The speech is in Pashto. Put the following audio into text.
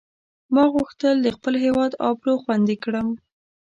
ما غوښتل د خپل هیواد آبرو خوندي کړم.